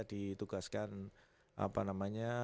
ditugaskan apa namanya